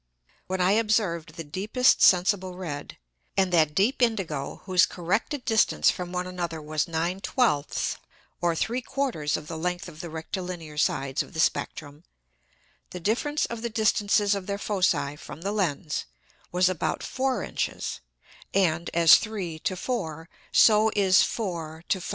When I observed the deepest sensible red, and that deep indigo whose corrected distance from one another was 9/12 or 3/4 of the Length of the Rectilinear Sides of the Spectrum, the difference of the distances of their Foci from the Lens was about 4 Inches; and as 3 to 4, so is 4 to 5 1/3.